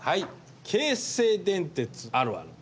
「京成電鉄あるある」。